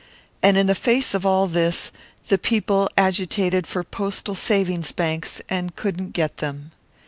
And in the face of all this, the people agitated for postal savings banks, and couldn't get them.